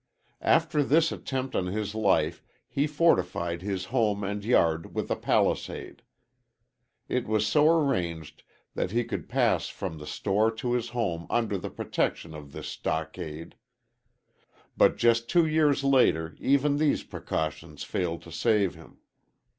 After this attempt on his life he fortified his home and yard with a palisade. It was so arranged that he could pass from the store to his home under the protection of this stockade. But just two years later even these precautions failed to save him.